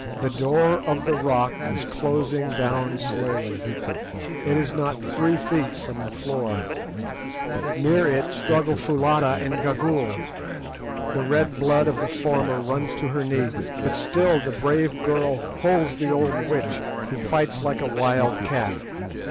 The door of the rock is closing down slowly; it is not three feet from the floor. Near it struggle Foulata and Gagool. The red blood of the former runs to her knee, but still the brave girl holds the old witch, who fights like a wild cat.